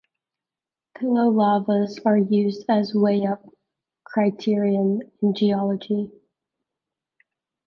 Pillow lavas are used as way-up criterion in geology.